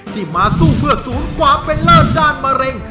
ที่มาสู้เพื่อศูนย์ความเป็นเลิศด้านมะเร็ง